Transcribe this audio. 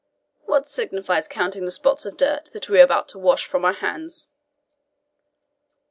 What signifies counting the spots of dirt that we are about to wash from our hands?"